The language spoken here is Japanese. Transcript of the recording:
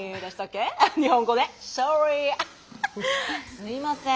すいません。